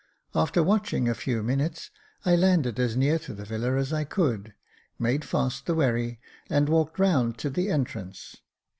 After watching a few minutes, I landed as near to the villa as I could, made fast the wherry, and walked round to the entrance.